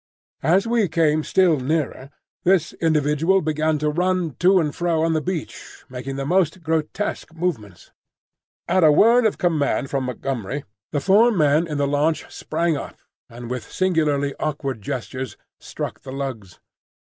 As we came still nearer, this individual began to run to and fro on the beach, making the most grotesque movements. At a word of command from Montgomery, the four men in the launch sprang up, and with singularly awkward gestures struck the lugs.